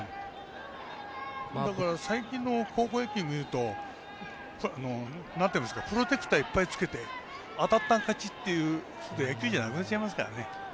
だから最近の高校野球見るとプロテクターいっぱいつけて当たったら勝ちっていう野球じゃなくなりますからね。